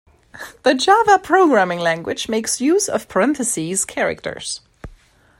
The Java programming language makes use of parentheses characters.